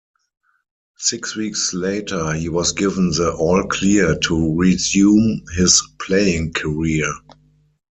Six weeks later, he was given the all-clear to resume his playing career.